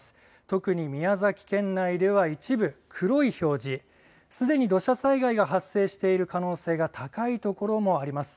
特に宮崎県内では一部黒い表示、すでに土砂災害が発生している可能性が高いところもあります。